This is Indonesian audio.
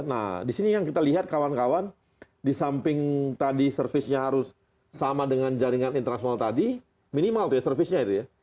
nah di sini yang kita lihat kawan kawan di samping tadi servisnya harus sama dengan jaringan internasional tadi minimal tuh ya servisnya itu ya